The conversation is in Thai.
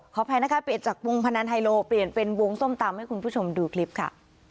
อภัยนะคะเปลี่ยนจากวงพนันไฮโลเปลี่ยนเป็นวงส้มตำให้คุณผู้ชมดูคลิปค่ะ